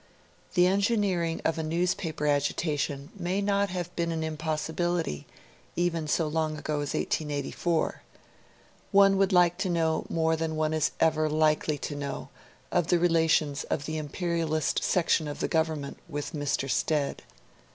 The engineering of a newspaper agitation may not have been an impossibility even so long ago as 1884. One would like to know more than one is ever likely to know of the relations of the imperialist section of the Government with Mr. Stead.